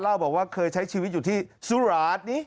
บอกว่าเคยใช้ชีวิตอยู่ที่สุราชนี้